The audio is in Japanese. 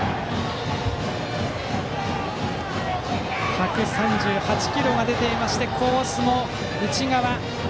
１３８キロが出ていてコースの内側